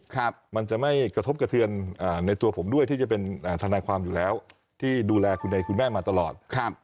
มันจะไม่กระทบกระเทือนในตัวผมด้วยที่จะเป็นทนายความอยู่แล้วที่ดูแลคุณในคุณแม่มาตลอดครับ